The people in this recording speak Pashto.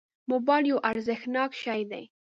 موبایل یو ارزښتناک شی دی.